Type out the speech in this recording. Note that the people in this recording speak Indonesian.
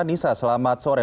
nisa selamat sore